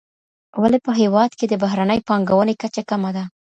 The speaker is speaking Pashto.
ولي په هيواد کي د بهرنۍ پانګوني کچه کمه ده؟